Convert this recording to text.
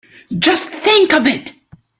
Just think of it!